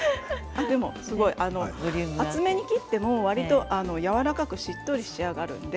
厚めに切ってもやわらかくしっとり仕上がるので。